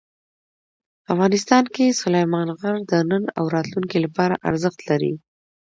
افغانستان کې سلیمان غر د نن او راتلونکي لپاره ارزښت لري.